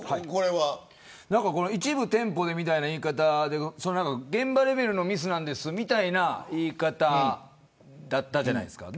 一部店舗で、みたいな言い方で現場レベルのミスみたいな言い方だったじゃないですか。